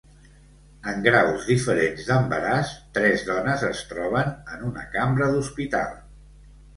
En graus diferents d'embaràs, tres dones es troben en una cambra d'hospital.